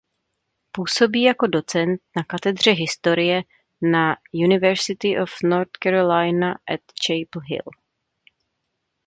Působí jako docent na Katedře historie na University of North Carolina at Chapel Hill.